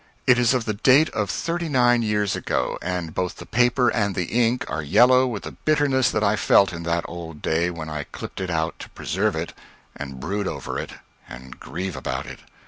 It is of the date of thirty nine years ago, and both the paper and the ink are yellow with the bitterness that I felt in that old day when I clipped it out to preserve it and brood over it, and grieve about it.